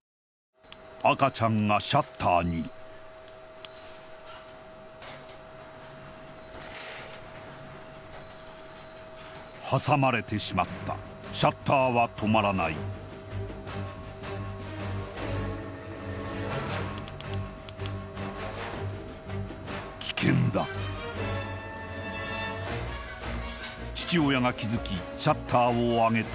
赤ちゃんがシャッターに挟まれてしまったシャッターは止まらない危険だ父親が気づきシャッターを上げた